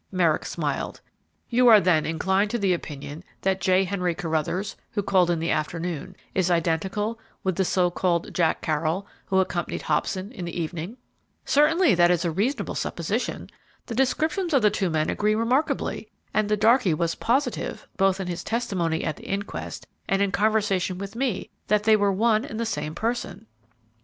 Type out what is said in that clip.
Merrick smiled. "You are then inclined to the opinion that J. Henry Carruthers, who called in the afternoon, is identical with the so called Jack Carroll who accompanied Hobson in the evening?" "Certainly that is a reasonable supposition. The descriptions of the two men agree remarkably, and the darkey was positive, both in his testimony at the inquest and in conversation with me, that they were one and the same person."